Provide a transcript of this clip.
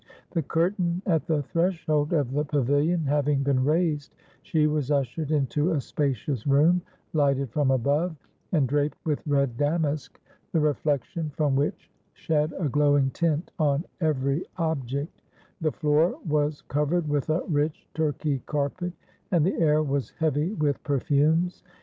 The curtain at the threshold of the pavilion having been raised, she was ushered into a spacious room, lighted from above, and draped with red damask, the reflection from which shed a glowing tint on every object; the floor was covered with a rich Turkey carpet, and the air was heavy with perfumes.